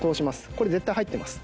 これ絶対入ってます。